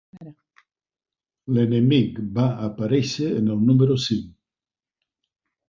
L'enemic va aparèixer en el número cinc.